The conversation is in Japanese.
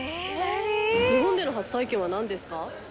日本での初体験はなんですか。